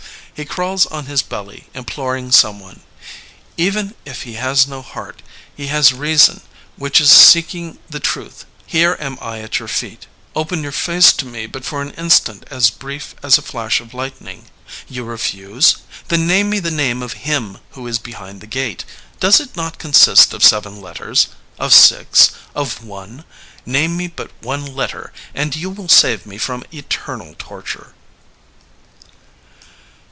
He crawls on his belly imploring Someone. Even if he has no heart he has reason which is seeking the truth. "Here am I at your feet; open your face to me. Open your face to me but for an instant as brief as a flash of lightning. ... You refuse? Then name me the name of Him who is behind the gate. ... Does it not consist of seven letters? Of six? Of one? Name me but one letter and you will save me from eternal torture."